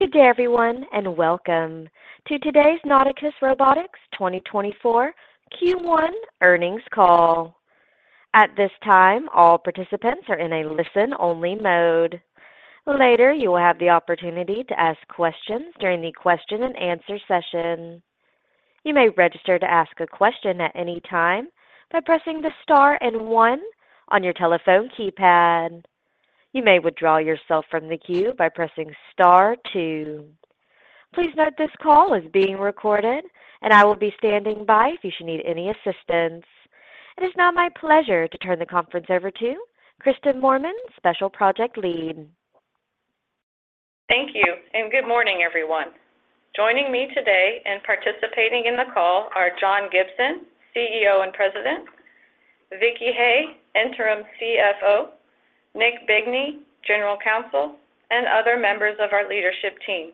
Good day, everyone, and welcome to today's Nauticus Robotics 2024 Q1 earnings call. At this time, all participants are in a listen-only mode. Later, you will have the opportunity to ask questions during the question-and-answer session. You may register to ask a question at any time by pressing the star and one on your telephone keypad. You may withdraw yourself from the queue by pressing star two. Please note this call is being recorded, and I will be standing by if you should need any assistance. It is now my pleasure to turn the conference over to Kristen Moorman, Special Project Lead. Thank you, and good morning, everyone. Joining me today and participating in the call are John Gibson, CEO and President, Vicky Hay, Interim CFO, Nick Bigney, General Counsel, and other members of our leadership team.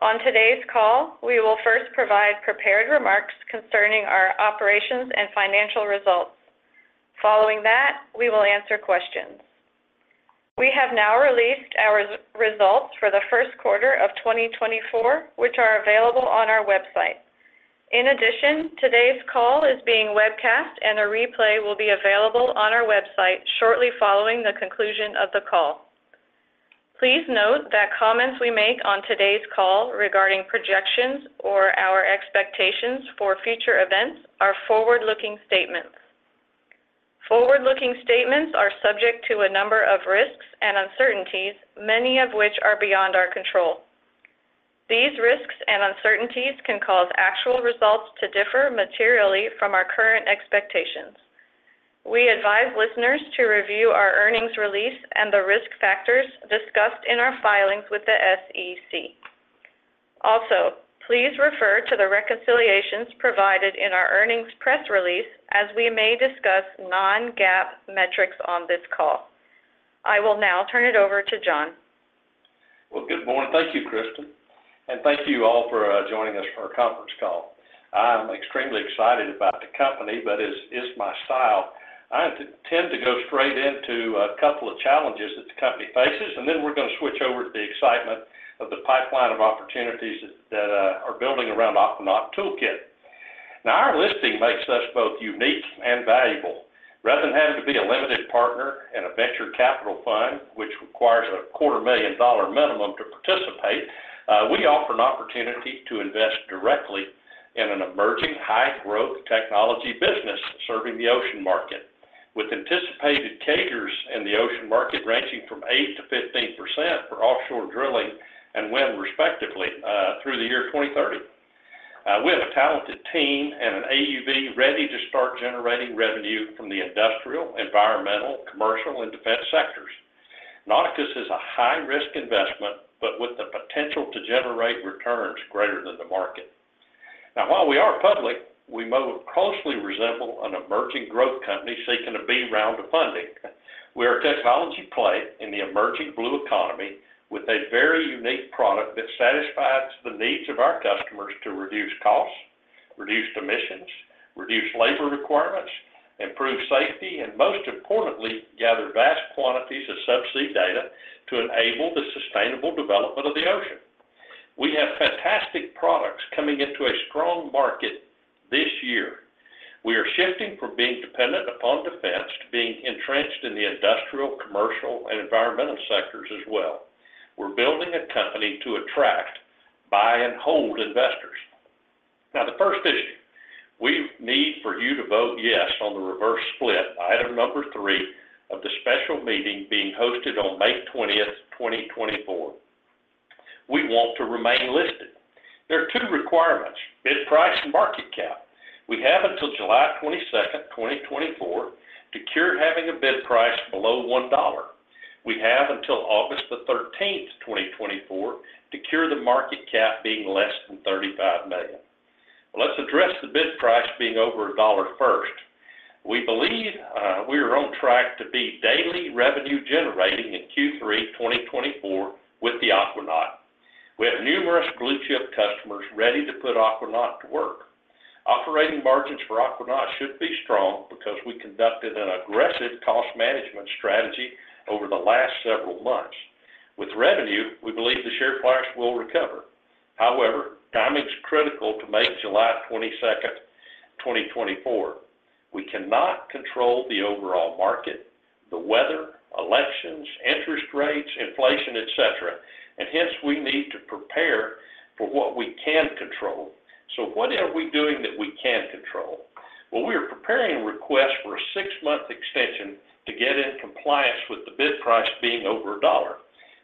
On today's call, we will first provide prepared remarks concerning our operations and financial results. Following that, we will answer questions. We have now released our results for the first quarter of 2024, which are available on our website. In addition, today's call is being webcast, and a replay will be available on our website shortly following the conclusion of the call. Please note that comments we make on today's call regarding projections or our expectations for future events are forward-looking statements. Forward-looking statements are subject to a number of risks and uncertainties, many of which are beyond our control. These risks and uncertainties can cause actual results to differ materially from our current expectations. We advise listeners to review our earnings release and the risk factors discussed in our filings with the SEC. Also, please refer to the reconciliations provided in our earnings press release, as we may discuss non-GAAP metrics on this call. I will now turn it over to John. Well, good morning. Thank you, Kristen. Thank you all for joining us for our conference call. I'm extremely excited about the company, but it's my style. I tend to go straight into a couple of challenges that the company faces, and then we're going to switch over to the excitement of the pipeline of opportunities that are building around Aquanaut ToolKITT. Now, our listing makes us both unique and valuable. Rather than having to be a limited partner in a venture capital fund, which requires a $250,000 minimum to participate, we offer an opportunity to invest directly in an emerging, high-growth technology business serving the ocean market, with anticipated CAGRs in the ocean market ranging from 8%-15% for offshore drilling and wind, respectively, through the year 2030. We have a talented team and an AUV ready to start generating revenue from the industrial, environmental, commercial, and defense sectors. Nauticus is a high-risk investment but with the potential to generate returns greater than the market. Now, while we are public, we most closely resemble an emerging growth company seeking a B round of funding. We are a technology play in the emerging Blue Economy with a very unique product that satisfies the needs of our customers to reduce costs, reduce emissions, reduce labor requirements, improve safety, and most importantly, gather vast quantities of subsea data to enable the sustainable development of the ocean. We have fantastic products coming into a strong market this year. We are shifting from being dependent upon defense to being entrenched in the industrial, commercial, and environmental sectors as well. We're building a company to attract, buy, and hold investors. Now, the first issue: we need for you to vote yes on the reverse split by item number three of the special meeting being hosted on May 20th, 2024. We want to remain listed. There are two requirements: bid price and market cap. We have until July 22nd, 2024, to cure having a bid price below $1. We have until August 13th, 2024, to cure the market cap being less than $35 million. Let's address the bid price being over $1 first. We believe we are on track to be daily revenue-generating in Q3 2024 with the Aquanaut. We have numerous blue-chip customers ready to put Aquanaut to work. Operating margins for Aquanaut should be strong because we conducted an aggressive cost management strategy over the last several months. With revenue, we believe the share price will recover. However, timing's critical to make July 22nd, 2024. We cannot control the overall market, the weather, elections, interest rates, inflation, etc., and hence we need to prepare for what we can control. So what are we doing that we can control? Well, we are preparing requests for a six-month extension to get in compliance with the bid price being over $1.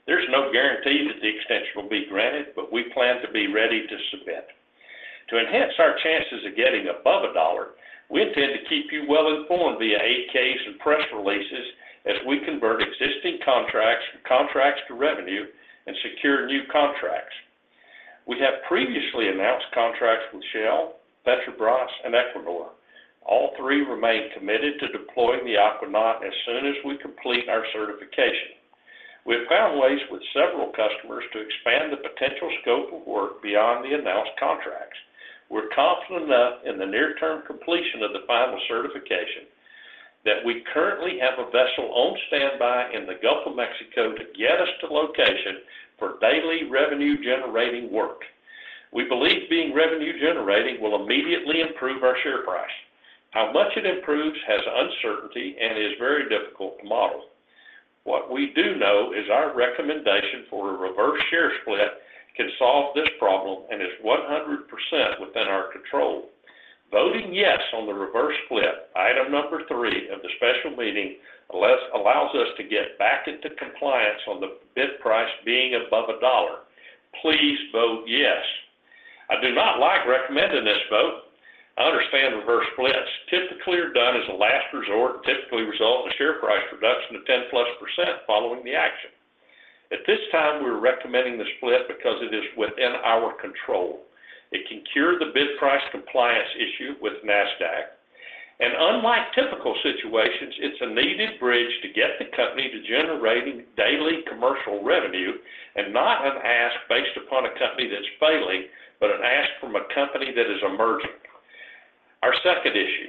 There's no guarantee that the extension will be granted, but we plan to be ready to submit. To enhance our chances of getting above $1, we intend to keep you well-informed via 8-Ks and press releases as we convert existing contracts from contracts to revenue and secure new contracts. We have previously announced contracts with Shell, Petrobras, and Equinor. All three remain committed to deploying the Aquanaut as soon as we complete our certification. We have found ways with several customers to expand the potential scope of work beyond the announced contracts. We're confident enough in the near-term completion of the final certification that we currently have a vessel on standby in the Gulf of Mexico to get us to location for daily revenue-generating work. We believe being revenue-generating will immediately improve our share price. How much it improves has uncertainty and is very difficult to model. What we do know is our recommendation for a reverse share split can solve this problem and is 100% within our control. Voting yes on the reverse split, item number three of the special meeting, allows us to get back into compliance on the bid price being above $1. Please vote yes. I do not like recommending this vote. I understand reverse splits. Typically, they're done as a last resort and typically result in a share price reduction of 10%+ following the action. At this time, we're recommending the split because it is within our control. It can cure the bid price compliance issue with Nasdaq. Unlike typical situations, it's a needed bridge to get the company to generating daily commercial revenue and not an ask based upon a company that's failing but an ask from a company that is emerging. Our second issue: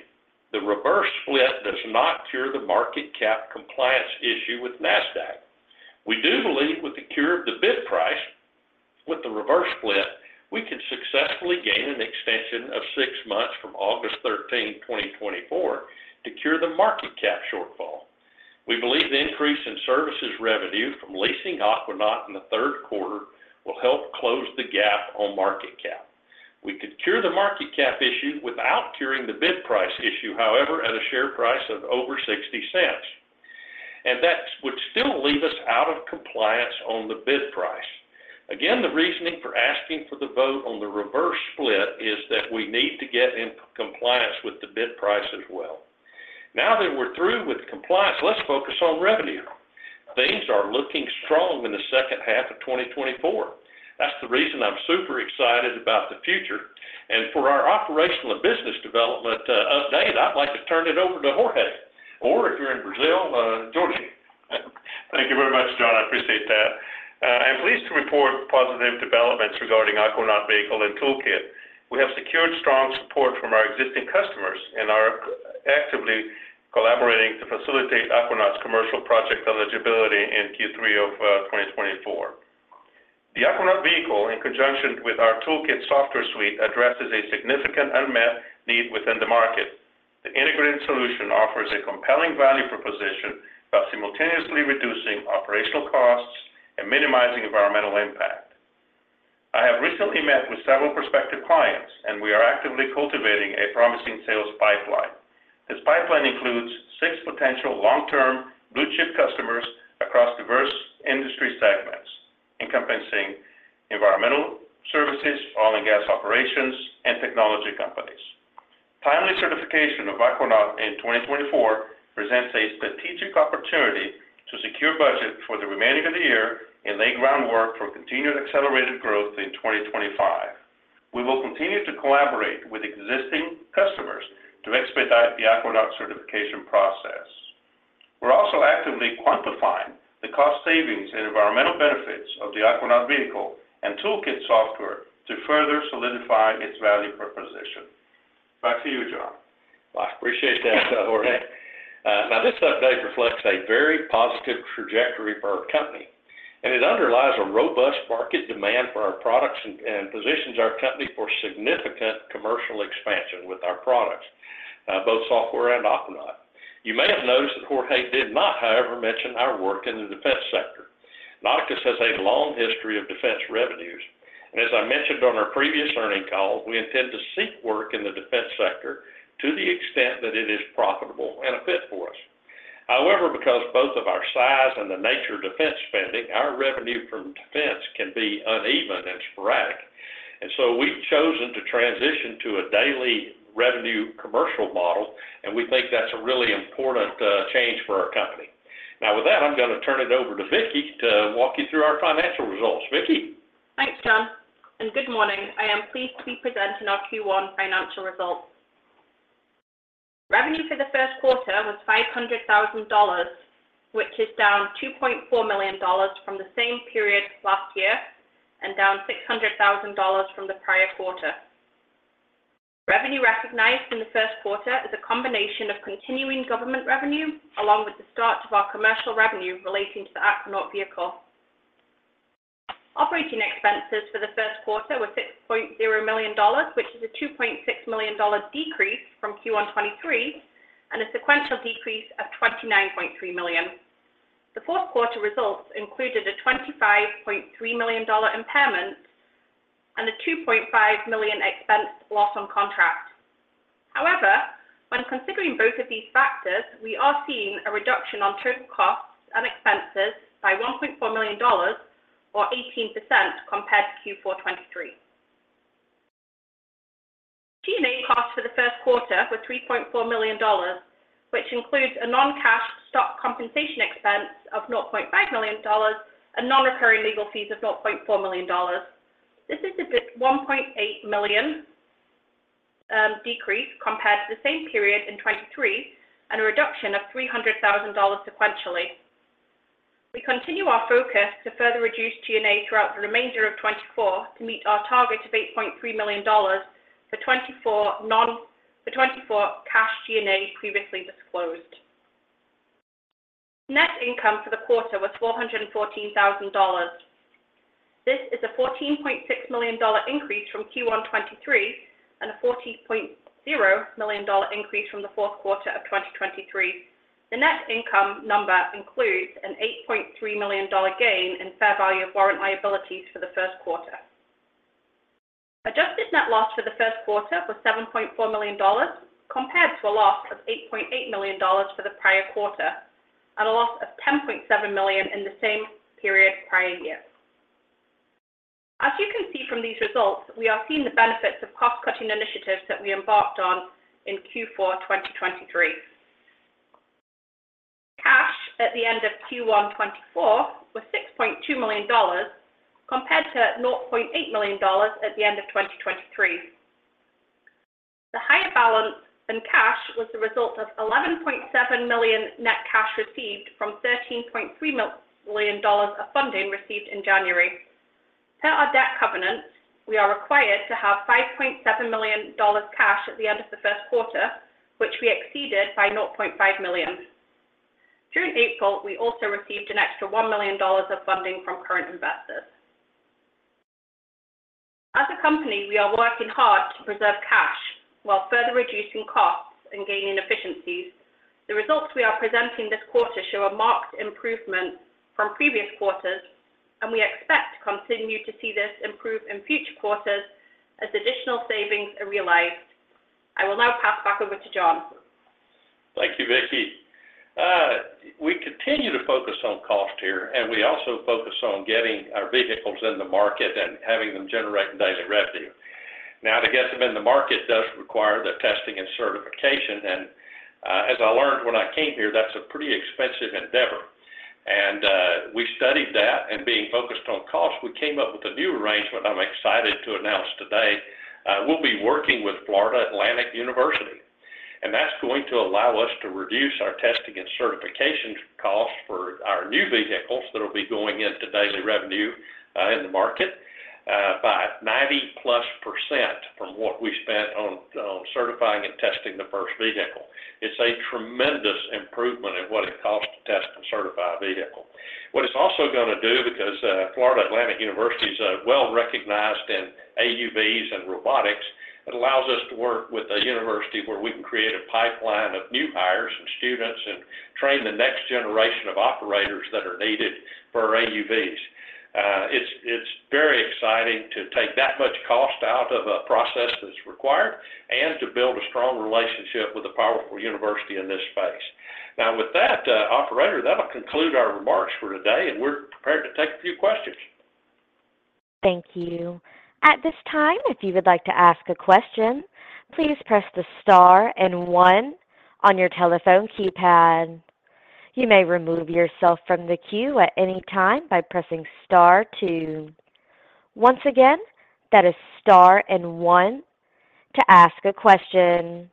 the reverse split does not cure the market cap compliance issue with Nasdaq. We do believe with the cure of the bid price with the reverse split, we can successfully gain an extension of six months from August 13th, 2024, to cure the market cap shortfall. We believe the increase in services revenue from leasing Aquanaut in the third quarter will help close the gap on market cap. We could cure the market cap issue without curing the bid price issue, however, at a share price of over $0.60. That would still leave us out of compliance on the bid price. Again, the reasoning for asking for the vote on the reverse split is that we need to get in compliance with the bid price as well. Now that we're through with compliance, let's focus on revenue. Things are looking strong in the second half of 2024. That's the reason I'm super excited about the future. For our operational and business development update, I'd like to turn it over to Jorge. Or if you're in Brazil, Jorge. Thank you very much, John. I appreciate that. I'm pleased to report positive developments regarding Aquanaut vehicle and ToolKITT. We have secured strong support from our existing customers and are actively collaborating to facilitate Aquanaut's commercial project eligibility in Q3 of 2024. The Aquanaut vehicle, in conjunction with our ToolKITT software suite, addresses a significant unmet need within the market. The integrated solution offers a compelling value proposition by simultaneously reducing operational costs and minimizing environmental impact. I have recently met with several prospective clients, and we are actively cultivating a promising sales pipeline. This pipeline includes six potential long-term blue-chip customers across diverse industry segments, encompassing environmental services, oil and gas operations, and technology companies. Timely certification of Aquanaut in 2024 presents a strategic opportunity to secure budget for the remaining of the year and lay groundwork for continued accelerated growth in 2025. We will continue to collaborate with existing customers to expedite the Aquanaut certification process. We're also actively quantifying the cost savings and environmental benefits of the Aquanaut vehicle and ToolKITT software to further solidify its value proposition. Back to you, John. Well, I appreciate that, Jorge. Now, this update reflects a very positive trajectory for our company, and it underlies a robust market demand for our products and positions our company for significant commercial expansion with our products, both software and Aquanaut. You may have noticed that Jorge did not, however, mention our work in the defense sector. Nauticus has a long history of defense revenues, and as I mentioned on our previous earnings call, we intend to seek work in the defense sector to the extent that it is profitable and a fit for us. However, because both of our size and the nature of defense spending, our revenue from defense can be uneven and sporadic. And so we've chosen to transition to a daily revenue commercial model, and we think that's a really important change for our company. Now, with that, I'm going to turn it over to Vicky to walk you through our financial results. Vicky? Thanks, John, and good morning. I am pleased to be presenting our Q1 financial results. Revenue for the first quarter was $500,000, which is down $2.4 million from the same period last year and down $600,000 from the prior quarter. Revenue recognized in the first quarter is a combination of continuing government revenue along with the start of our commercial revenue relating to the Aquanaut vehicle. Operating expenses for the first quarter were $6.0 million, which is a $2.6 million decrease from Q1 2023 and a sequential decrease of $29.3 million. The fourth quarter results included a $25.3 million impairment and a $2.5 million expense loss on contract. However, when considering both of these factors, we are seeing a reduction on total costs and expenses by $1.4 million or 18% compared to Q4 2023. G&A costs for the first quarter were $3.4 million, which includes a non-cash stock compensation expense of $0.5 million and non-recurring legal fees of $0.4 million. This is a $1.8 million decrease compared to the same period in 2023 and a reduction of $300,000 sequentially. We continue our focus to further reduce G&A throughout the remainder of 2024 to meet our target of $8.3 million for 2024 cash G&A previously disclosed. Net income for the quarter was $414,000. This is a $14.6 million increase from Q1 2023 and a $40.0 million increase from the fourth quarter of 2023. The net income number includes an $8.3 million gain in fair value of warrant liabilities for the first quarter. Adjusted net loss for the first quarter was $7.4 million compared to a loss of $8.8 million for the prior quarter and a loss of $10.7 million in the same period prior year. As you can see from these results, we are seeing the benefits of cost-cutting initiatives that we embarked on in Q4 2023. Cash at the end of Q1 2024 was $6.2 million compared to $0.8 million at the end of 2023. The higher balance in cash was the result of $11.7 million net cash received from $13.3 million of funding received in January. Per our debt covenant, we are required to have $5.7 million cash at the end of the first quarter, which we exceeded by $0.5 million. During April, we also received an extra $1 million of funding from current investors. As a company, we are working hard to preserve cash while further reducing costs and gaining efficiencies. The results we are presenting this quarter show a marked improvement from previous quarters, and we expect to continue to see this improve in future quarters as additional savings are realized. I will now pass back over to John. Thank you, Vicky. We continue to focus on cost here, and we also focus on getting our vehicles in the market and having them generate daily revenue. Now, to get them in the market does require the testing and certification, and as I learned when I came here, that's a pretty expensive endeavor. We studied that, and being focused on cost, we came up with a new arrangement I'm excited to announce today. We'll be working with Florida Atlantic University, and that's going to allow us to reduce our testing and certification costs for our new vehicles that'll be going into daily revenue in the market by 90%+ from what we spent on certifying and testing the first vehicle. It's a tremendous improvement in what it costs to test and certify a vehicle. What it's also going to do because Florida Atlantic University is well-recognized in AUVs and robotics, it allows us to work with a university where we can create a pipeline of new hires and students and train the next generation of operators that are needed for our AUVs. It's very exciting to take that much cost out of a process that's required and to build a strong relationship with a powerful university in this space. Now, with that, operator, that'll conclude our remarks for today, and we're prepared to take a few questions. Thank you. At this time, if you would like to ask a question, please press the star and one on your telephone keypad. You may remove yourself from the queue at any time by pressing star two. Once again, that is star and one to ask a question.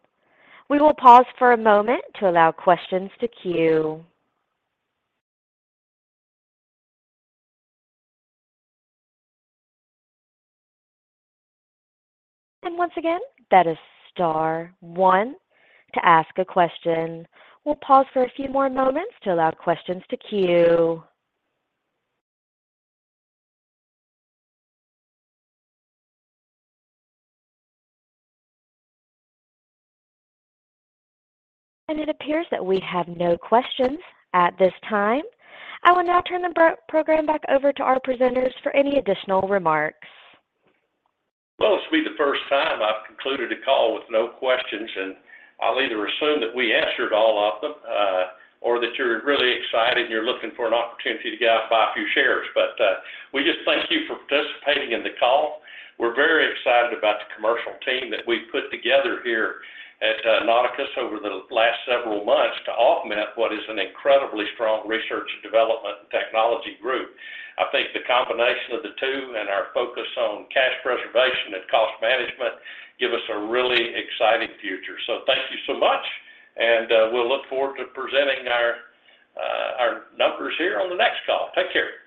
We will pause for a moment to allow questions to queue. Once again, that is star one to ask a question. We'll pause for a few more moments to allow questions to queue. It appears that we have no questions at this time. I will now turn the program back over to our presenters for any additional remarks. Well, it'll be the first time I've concluded a call with no questions, and I'll either assume that we answered all of them or that you're really excited and you're looking for an opportunity to go out and buy a few shares. But we just thank you for participating in the call. We're very excited about the commercial team that we've put together here at Nauticus over the last several months to augment what is an incredibly strong research and development technology group. I think the combination of the two and our focus on cash preservation and cost management give us a really exciting future. So thank you so much, and we'll look forward to presenting our numbers here on the next call. Take care.